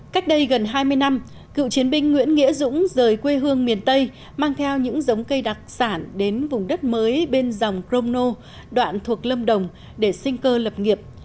cách đây gần hai mươi năm cựu chiến binh nguyễn nghĩa dũng rời quê hương miền tây mang theo những giống cây đặc sản đến vùng đất mới bên dòng cromno đoạn thuộc lâm đồng để sinh cơ lập nghiệp